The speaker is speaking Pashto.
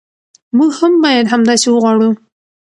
موږ هم باید همداسې وغواړو.